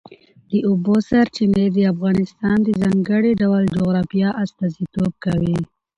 د اوبو سرچینې د افغانستان د ځانګړي ډول جغرافیه استازیتوب کوي.